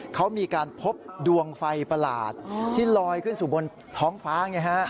เขามีการพบดวงไฟประหลาดที่ลอยขึ้นสู่บนท้องฟ้าไงฮะ